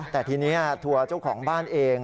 แต่ทีนี้ทัวร์เจ้าของบ้านเอง